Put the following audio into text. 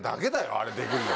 あれできるの。